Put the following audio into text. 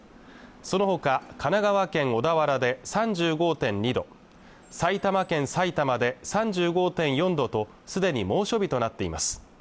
そのほか神奈川県小田原で３５．２度埼玉県さいたまで３５．４度とすでに猛暑日となっています